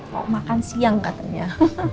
mau makan siang katanya